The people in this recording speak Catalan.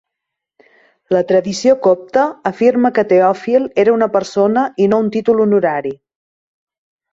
La tradició copta afirma que Teòfil era una persona i no un títol honorari.